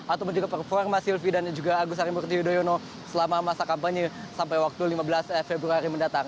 atau menjaga performa sylvie dan juga agus arimurti yudhoyono selama masa kampanye sampai waktu lima belas februari mendatang